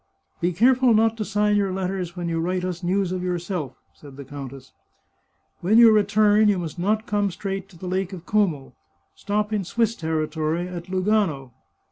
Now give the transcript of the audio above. " Be careful not to sign your letters when you write us news of yourself," said the countess. " When you return you must not come straight to the Lake of Como. Stop in Swiss territory, at Lugano."